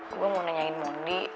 gue mau nanyain mondi